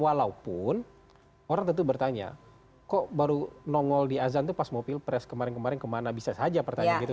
walaupun orang tentu bertanya kok baru nongol di azan itu pas mau pilpres kemarin kemarin kemana bisa saja pertanyaan gitu